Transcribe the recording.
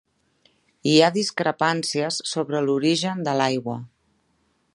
Hi ha discrepàncies sobre l'origen de l'aigua.